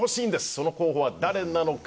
その候補はだれなのか。